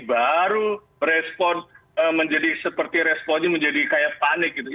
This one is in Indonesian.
baru seperti responnya menjadi kayak panik gitu